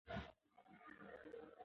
سنگ مرمر د افغانانو د ژوند طرز اغېزمنوي.